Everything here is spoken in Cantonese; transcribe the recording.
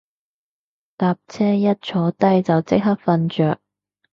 搭車一坐低就即刻瞓着